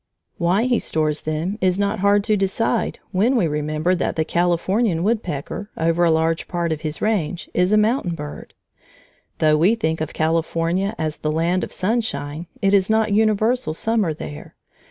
Why he stores them is not hard to decide when we remember that the Californian woodpecker, over a large part of his range, is a mountain bird. Though we think of California as the land of sunshine, it is not universal summer there.